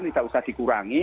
tidak usah dikurangi